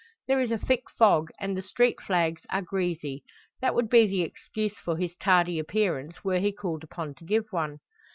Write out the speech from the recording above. There is a thick fog, and the street flags are "greasy." That would be the excuse for his tardy appearance, were he called upon to give one.